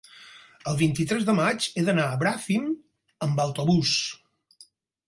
el vint-i-tres de maig he d'anar a Bràfim amb autobús.